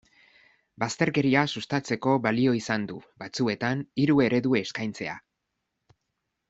Bazterkeria sustatzeko balio izan du, batzuetan, hiru eredu eskaintzea.